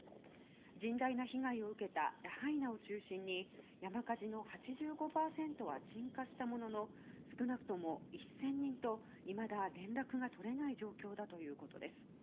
甚大な被害を受けたラハイナを中心に山火事の８５％は鎮火したものの少なくとも１０００人といまだ連絡が取れない状況だということです。